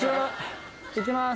いきます。